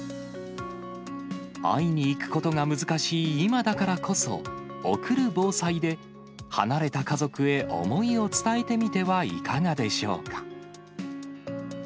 会いに行くことが難しい今だからこそ、おくる防災で、離れた家族へ思いを伝えてみてはいかがでしょうか。